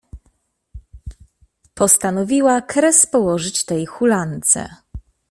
Postanowiła kres położyć tej hulance.